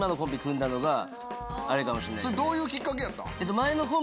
それどういうきっかけやったん？